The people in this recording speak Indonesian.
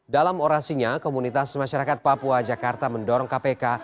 dalam orasinya komunitas masyarakat papua jakarta mendorong kpk